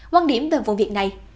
quan điểm về vụ việc này